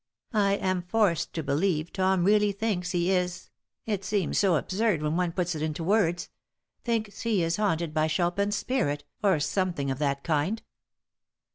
I am forced to believe Tom really thinks he is it seems so absurd when one puts it into words thinks he is haunted by Chopin's spirit, or something of that kind."